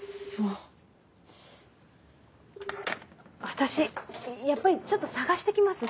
私やっぱりちょっと捜して来ます。